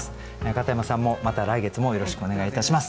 片山さんもまた来月もよろしくお願いいたします。